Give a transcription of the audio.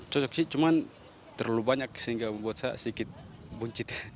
cocok sih cuman terlalu banyak sehingga membuat saya sedikit buncit